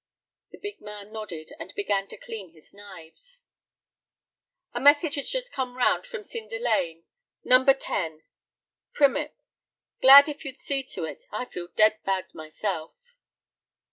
The big man nodded, and began to clean his knives. "A message has just come round from Cinder Lane, No. 10. Primip. Glad if you'd see to it. I feel dead fagged myself."